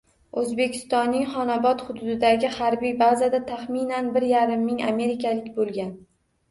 O‘zbekistonning Xonobod hududidagi harbiy bazada taxminan bir yarim ming amerikalik bo‘lgan